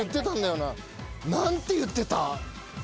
なんて言ってた？